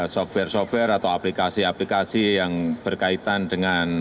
software software atau aplikasi aplikasi yang berkaitan dengan